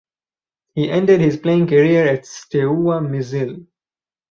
He ended his playing career at Steaua Mizil.